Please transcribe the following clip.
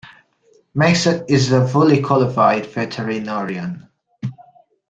Max is a fully qualified veterinarian.